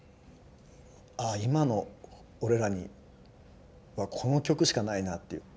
ああ今の俺らにはこの曲しかないなっていう。